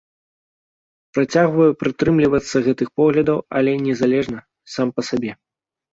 Працягваю прытрымлівацца гэтых поглядаў, але незалежна, сам па сабе.